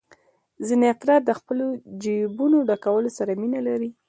ځینې افراد د خپلو جېبونو ډکولو سره مینه لري